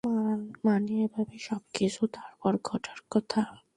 মানে, এভাবেই সবকিছু তারপর ঘটার কথা।